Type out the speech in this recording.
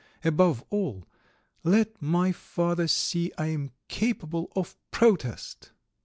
Above all, let my father see I am capable of protest."